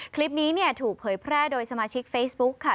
คลิปนี้เนี่ยถูกเผยแพร่โดยสมาชิกเฟซบุ๊คค่ะ